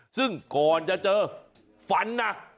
ซึ่งก่อนจะเจอฝันนะ